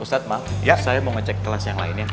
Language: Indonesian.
ustadz maaf ya saya mau ngecek kelas yang lainnya